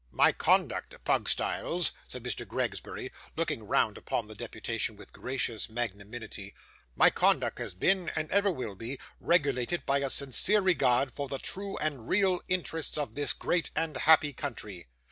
'My conduct, Pugstyles,' said Mr. Gregsbury, looking round upon the deputation with gracious magnanimity 'my conduct has been, and ever will be, regulated by a sincere regard for the true and real interests of this great and happy country.